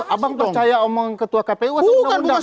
abang percaya omong ketua kpu atau undang undang